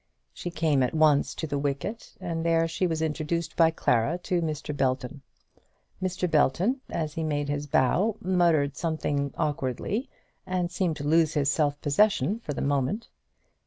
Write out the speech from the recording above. She came at once to the wicket, and there she was introduced by Clara to Mr. Belton. Mr. Belton as he made his bow muttered something awkwardly, and seemed to lose his self possession for the moment.